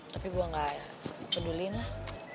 tapi gue gak peduli lah